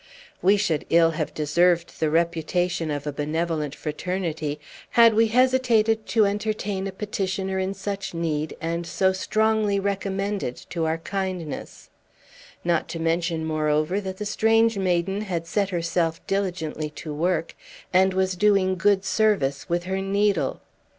We should ill have deserved the reputation of a benevolent fraternity, had we hesitated to entertain a petitioner in such need, and so strongly recommended to our kindness; not to mention, moreover, that the strange maiden had set herself diligently to work, and was doing good service with her needle.